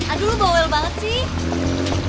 aduh lu bawa wel banget sih